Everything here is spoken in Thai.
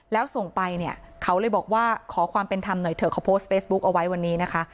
แล้วส่งไปเค้าเลยบอกว่าขอความเป็นธรรมหน่อยเขาโพสต์เฟสบุ๊คเอาไว้วันนี้